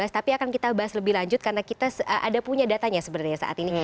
tapi akan kita bahas lebih lanjut karena kita ada punya datanya sebenarnya saat ini